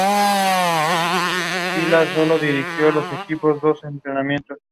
Suplantación de la dirección de correo electrónico de otras personas o entidades.